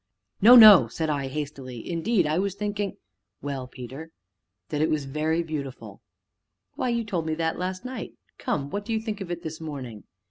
"No, no," said I hastily, "indeed I was thinking " "Well, Peter?" "That it was very beautiful!" "Why, you told me that last night come, what do you think of it this morning?"